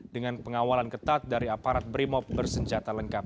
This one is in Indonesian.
dengan pengawalan ketat dari aparat brimob bersenjata lengkap